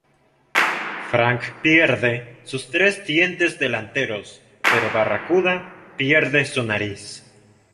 Frank pierde sus tres dientes delanteros pero Barracuda pierde su nariz.